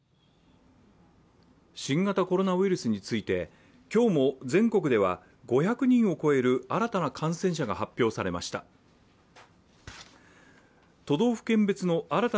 新型コロナウイルスについて今日も全国では５００人を超える新たな感染者が発表されました。